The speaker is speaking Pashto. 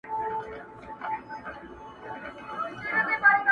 نوي خبرونه د دې کيسې ځای نيسي هر ځای,